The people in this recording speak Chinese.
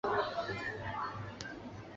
游戏商会推出不同的限时频道。